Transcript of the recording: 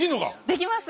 できます。